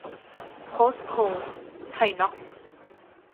โพสโค-ไทยน๊อคซ์